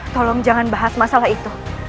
tolong jangan bahas masalah itu